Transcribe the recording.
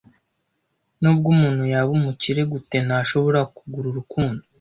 Nubwo umuntu yaba umukire gute, ntashobora kugura urukundo.